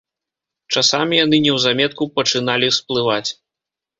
Часамі яны неўзаметку пачыналі сплываць.